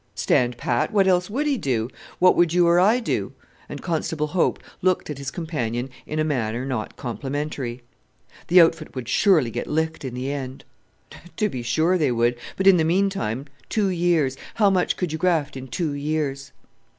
"Stand pat! What else would he do? What would you or I do?" and Constable Hope looked at his companion in a manner not complimentary. "The outfit would surely get licked in the end." "To be sure they would! but in the meantime, two years: how much could you graft in two years?"